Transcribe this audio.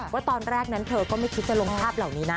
ว่าตอนแรกนั้นเธอก็ไม่คิดจะลงภาพเหล่านี้นะ